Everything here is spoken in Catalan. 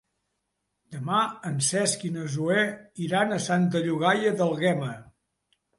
Demà en Cesc i na Zoè iran a Santa Llogaia d'Àlguema.